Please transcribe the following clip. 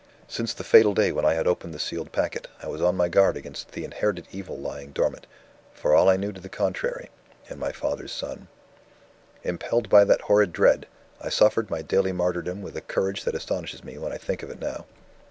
Since the fatal day when I had opened the sealed packet, I was on my guard against the inherited evil lying dormant, for all I knew to the contrary, in my father's son. Impelled by that horrid dread, I suffered my daily martyrdom with a courage that astonishes me when I think of it now.